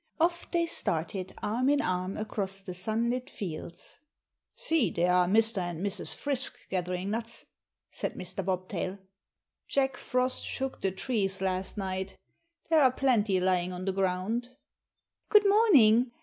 Off they started arm in arm across the sunlit fields. "See, there are Mr. and Mrs. Frisk gathering nuts," said Mr. Bobtail. "Jack Frost shook the trees last night. There are plenty lying on the ground." "Good morning.